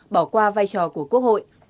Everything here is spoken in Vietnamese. bỏ qua vai trò của quốc hội